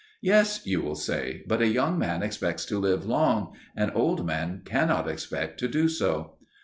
Yes, you will say; but a young man expects to live long; an old man cannot expect to do so.